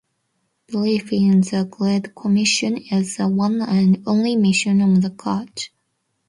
'Belief in the Great Commission as the one and only mission of the Church.